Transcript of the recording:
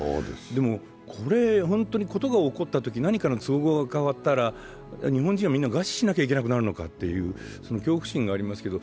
でも、本当に事が起こったとき、何かの都合が変わったら日本人はみんな餓死しなければいけなくなるのかという恐怖心がありますけど。